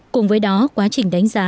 cùng với đó quá trình đánh giá